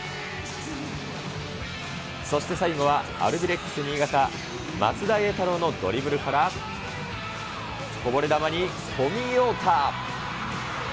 そして最後はアルビレックス新潟、松田詠太郎のドリブルから、こぼれ球に小見洋太。